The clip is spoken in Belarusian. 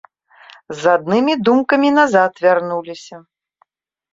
З аднымі думкамі назад вярнуліся.